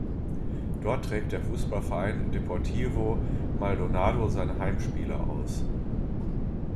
Dort trägt der Fußballverein Deportivo Maldonado seine Heimspiele aus.